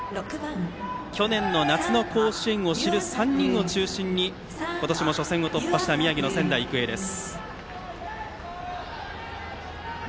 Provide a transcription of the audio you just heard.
去年の夏の甲子園を知る３人を中心に今年も初戦を突破した宮城の仙台育英です。